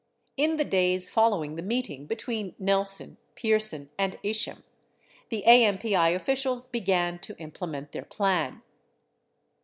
7 In the days following the meeting between Nelson, Pierson, and Isham, the AMPI officials began to implement their plan.